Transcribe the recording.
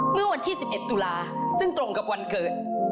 เมื่อวันที่๑๑ตุลาซึ่งตรงกับวันเกิด